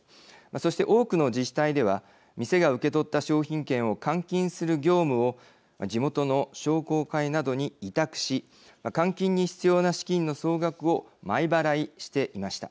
そして、多くの自治体では店が受け取った商品券を換金する業務を地元の商工会などに委託し換金に必要な資金の総額を前払いしていました。